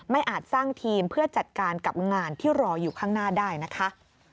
อาจสร้างทีมเพื่อจัดการกับงานที่รออยู่ข้างหน้าได้นะคะ